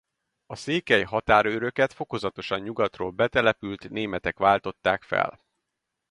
A székely határőröket fokozatosan nyugatról betelepült németek váltották fel.